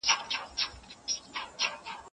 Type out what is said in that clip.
زه هره ورځ خپل ټلېفون تازه کوم.